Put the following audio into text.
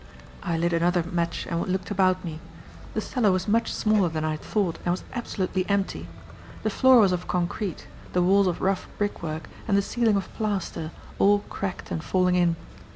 I lit another match and looked about me. The cellar was much smaller than I had thought and was absolutely empty. The floor was of concrete, the walls of rough brickwork and the ceiling of plaster, all cracked and falling in.